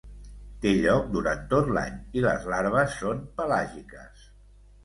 Té lloc durant tot l'any i les larves són pelàgiques.